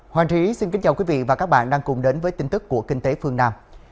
hoàng trí xin kính chào quý vị và các bạn đang cùng đến với tin tức của kinh tế phương nam